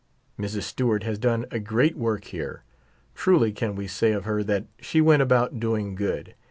Mrs. Stewart has done a great work here. Truly can we say of her that she " went about doing good."